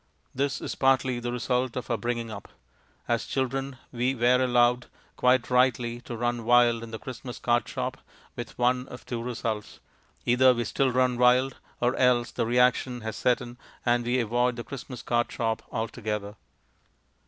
This is partly the result of our bringing up; as children we were allowed (quite rightly) to run wild in the Christmas card shop, with one of two results. Either we still run wild, or else the reaction has set in and we avoid the Christmas card shop altogether.